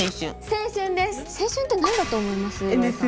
青春って何だと思います？